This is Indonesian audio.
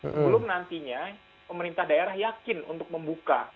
sebelum nantinya pemerintah daerah yakin untuk membuka